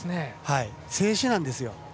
静止なんですよ。